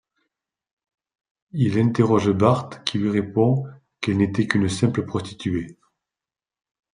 Il interroge Bart, qui lui répond qu'elle n'était qu'une simple prostituée.